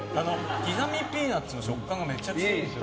刻みピーナツの食感がめちゃくちゃいいです。